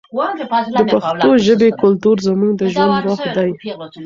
د پښتو ژبې کلتور زموږ د ژوند روح دی.